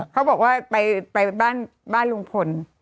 เขาบอกว่าไปบ้านลุงพล